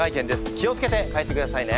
気を付けて帰ってくださいね。